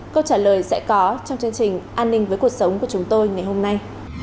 câu trả lời sẽ có trong chương trình an ninh với cuộc sống của chúng tôi ngày hôm nay